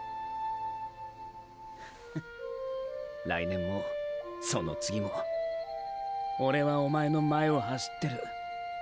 フッ来年もその次もオレはおまえの前を走ってる。